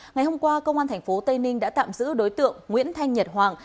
ngày hôm qua công an tp tây ninh đã tạm giữ đối tượng nguyễn thanh nhật hoàng